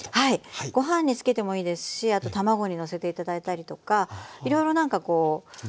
ご飯につけてもいいですしあと卵にのせて頂いたりとかいろいろ何かこう途中でね本人の好みで。